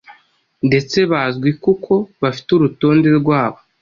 ndetse bazwi kuko bafite urutonde rwabo